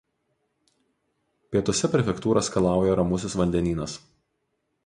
Pietuose prefektūrą skalauja Ramusis vandenynas.